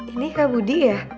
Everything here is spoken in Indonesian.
ini kak budi ya